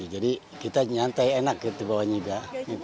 jadi kita nyantai enak gitu bawahnya juga